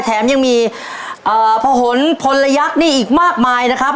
แถมยังมีพหนพลยักษ์นี่อีกมากมายนะครับ